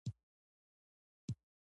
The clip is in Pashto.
چې که ښځې ته د زده کړې اړين شرايط جوړ شي